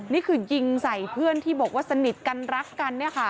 นี่คือยิงใส่เพื่อนที่บอกว่าสนิทกันรักกัน